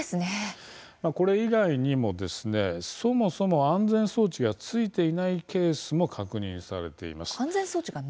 これ以外にもそもそも安全装置が付いていないケースも確認されています。